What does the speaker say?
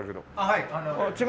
はい。